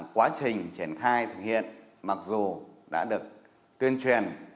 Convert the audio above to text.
quá trình triển khai thực hiện mặc dù đã được tuyên truyền